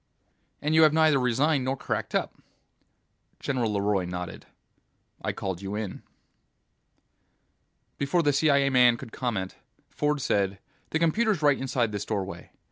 "And you have neither resigned nor cracked up." General LeRoy nodded. "I called you in." Before the CIA man could comment, Ford said, "The computer's right inside this doorway.